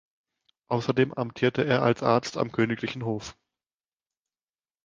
Außerdem amtierte er als Arzt am königlichen Hof.